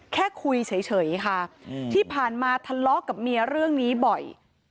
แค่คุยเฉยค่ะที่ผ่านมาทะเลาะกับเมียเรื่องนี้บ่อย